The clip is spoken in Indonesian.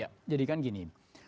ya jadi kan gini